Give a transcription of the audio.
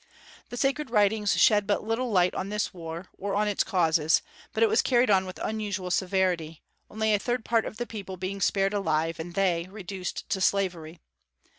The sacred writings shed but little light on this war, or on its causes; but it was carried on with unusual severity, only a third part of the people being spared alive, and they reduced to slavery.